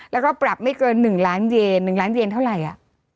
แล้วก็ปรับไม่เกิน๑ล้านเยน๑ล้านเวียนเท่าไหร่